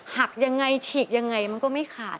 หักอย่างไรฉีกอย่างไรมันก็ไม่ขาด